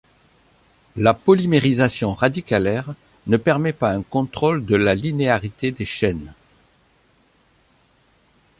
La polymérisation radicalaire ne permet pas un contrôle de la linéarité des chaînes.